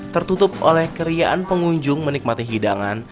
tertutup oleh keriaan pengunjung menikmati hidangan